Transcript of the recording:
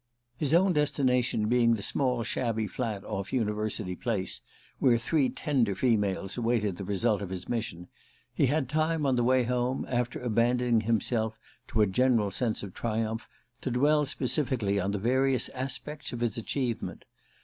His own destination being the small shabby flat off University Place where three tender females awaited the result of his mission, he had time, on the way home, after abandoning himself to a general sense of triumph, to dwell specifically on the various aspects of his achievement.